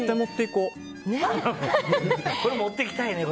これ、持っていきたいね。